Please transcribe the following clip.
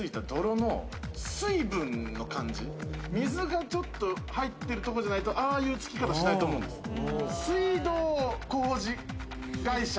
靴についた泥の水分の感じ、水がちょっと入ってるところじゃないと、ああいう付き方しないと思うんです。